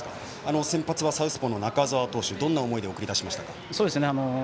先発はサウスポーの中澤投手、どんな思いで送り出しましたか？